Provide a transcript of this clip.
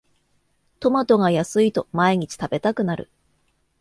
トマトが安いと毎日食べたくなる